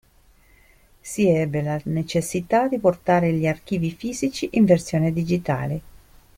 Si ebbe la necessità di portare gli archivi fisici in versione digitale.